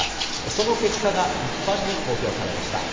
その結果が一般に公表されました。